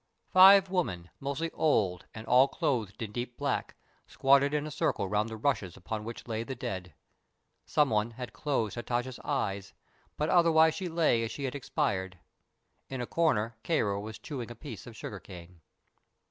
Five women, mostly old and all clothed in deep black, squatted in a circle around the rushes upon which lay the dead. Someone had closed Hatatcha's eyes, but otherwise she lay as she had expired. In a corner Kāra was chewing a piece of sugar cane.